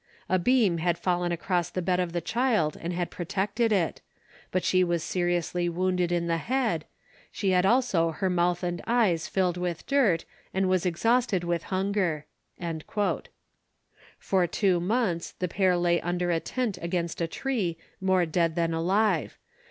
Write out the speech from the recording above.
A beam had fallen across the bed of the child and had protected it; but she was seriously wounded in the head; she had also her mouth and eyes filled with dirt, and was exhausted with hunger." For two months the pair lay under a tent against a tree, more dead than alive.